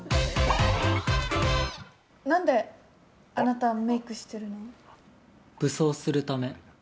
何で、あなたメイクしている武装するため。